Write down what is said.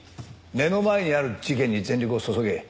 目の前にある事件に全力を注げ。